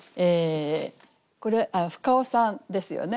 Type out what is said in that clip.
これ深尾さんですよね？